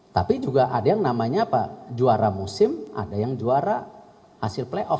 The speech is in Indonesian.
tapi juga ada yang namanya juara musim ada yang juara hasil playoff